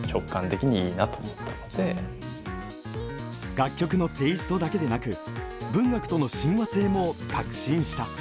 楽曲のテーストだけでなく、文学との親和性も確信した。